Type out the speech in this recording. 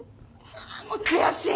あ悔しい！